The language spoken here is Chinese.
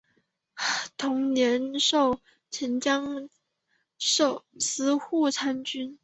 同年授澶州司户参军。